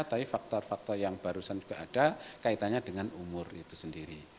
tapi fakta fakta yang barusan juga ada kaitannya dengan umur itu sendiri